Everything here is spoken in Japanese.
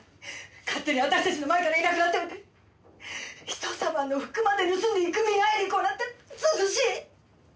勝手に私たちの前からいなくなっておいて人様の服まで盗んで郁美に会いに行こうなんて図々しい！